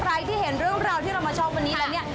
ใครที่เห็นเรื่องราวที่เรามาชอบวันนี้แล้วเนี่ย